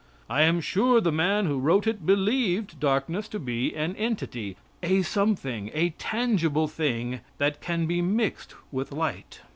I am sure the man who wrote it, believed darkness to be an entity, a something, a tangible thing that can be mixed with light.